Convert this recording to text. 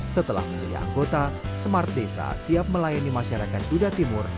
setelah menjadi anggota smart desa siap melayani masyarakat dudatimur